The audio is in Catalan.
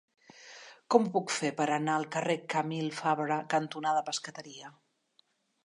Com ho puc fer per anar al carrer Camil Fabra cantonada Pescateria?